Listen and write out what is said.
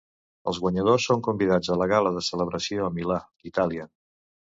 Els guanyadors són convidats a la gala de celebració a Milà, Itàlia.